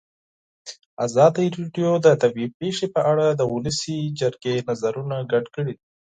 ازادي راډیو د طبیعي پېښې په اړه د ولسي جرګې نظرونه شریک کړي.